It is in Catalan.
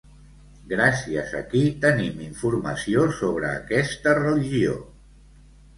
Gràcies a qui tenim informació sobre aquesta religió?